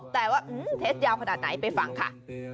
เทสยาวขนาดไหนไปฟังค่ะ